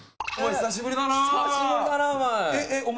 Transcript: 久しぶりだなお前。